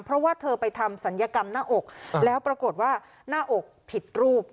เพราะว่าเธอไปทำศัลยกรรมหน้าอกแล้วปรากฏว่าหน้าอกผิดรูป